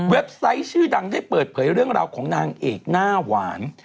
ไซต์ชื่อดังได้เปิดเผยเรื่องราวของนางเอกหน้าหวาน